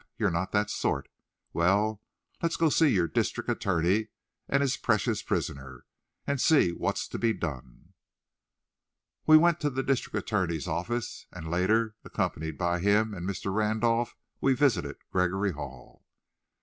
You're not that sort. Well, let's go to see your district attorney and his precious prisoner, and see what's to be done." We went to the district attorney's office, and, later, accompanied by him and by Mr. Randolph, we visited Gregory Hall.